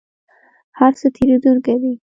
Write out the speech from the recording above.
هر څه تیریدونکي دي؟